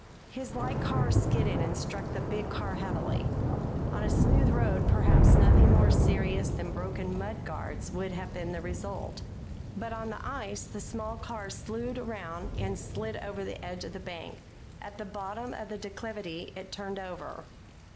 His light car skidded and struck the big car heavily. On a smooth road perhaps nothing more serious than broken mudguards would have been the result. But on the ice the small car slewed around and slid over the edge of the bank. At the bottom of the declivity it turned over.